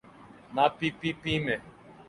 نہ P P P میں۔